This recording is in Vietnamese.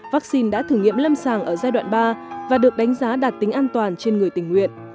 vaccine đã thử nghiệm lâm sàng ở giai đoạn ba và được đánh giá đạt tính an toàn trên người tình nguyện